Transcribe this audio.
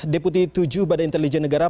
deputi tujuh badan intelijen negara